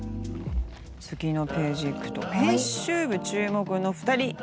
次のページ行くと「編集部注目の２人！」。